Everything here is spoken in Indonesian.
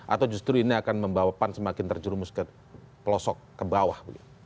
atau justru ini akan membawa pan semakin terjerumus ke pelosok ke bawah